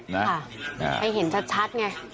ให้เห็นชัดไง